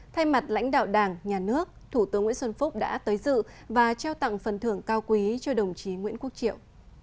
thay mặt lãnh đạo đảng nhà nước thủ tướng nguyễn xuân phúc đã tới dự và trao tặng phần thưởng cao quý cho đồng chí nguyễn quốc triệu